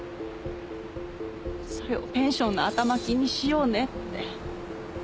それをペンションの頭金にしようねって。